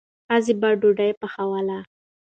ښځې به ډوډۍ پخوله.